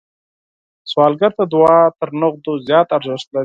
سوالګر ته دعا تر نغدو زیات ارزښت لري